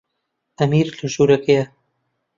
ئەمیر لە ژوورەکەیە.